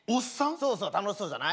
そうそう楽しそうじゃない？